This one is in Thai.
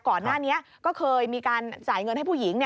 ก่อนหน้านี้ก็เคยมีการจ่ายเงินให้ผู้หญิง